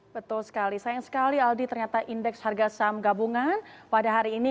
betul sekali sayang sekali aldi ternyata indeks harga saham gabungan pada hari ini